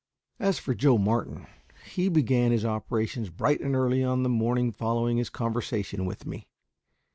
As for Joe Martin, he began his operations bright and early on the morning following his conversation with me.